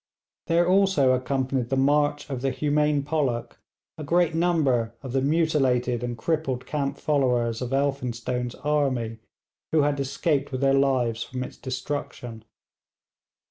There also accompanied the march of the humane Pollock a great number of the mutilated and crippled camp followers of Elphinstone's army who had escaped with their lives from its destruction.